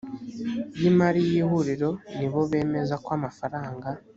y imari y lhuriro nibo bemeza ko amafaranga